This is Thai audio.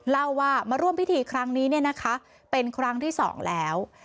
เล่าว่ามาร่วมพิธีครั้งนี้เป็นครั้งที่สองแล้ว